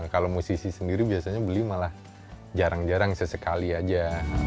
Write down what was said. kalau musisi sendiri biasanya beli malah jarang jarang sesekali aja